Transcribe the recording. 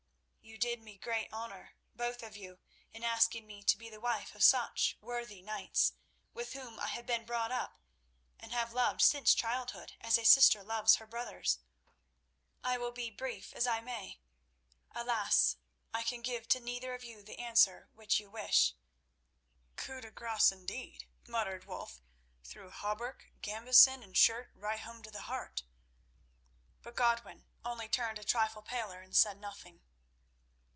You did me great honour, both of you, in asking me to be the wife of such worthy knights, with whom I have been brought up and have loved since childhood as a sister loves her brothers. I will be brief as I may. Alas! I can give to neither of you the answer which you wish." "Coup de grâce indeed," muttered Wulf, "through hauberk, gambeson, and shirt, right home to the heart." But Godwin only turned a trifle paler and said nothing.